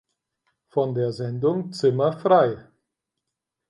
Von der Sendung "Zimmer frei!